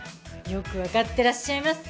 よく分かってらっしゃいます。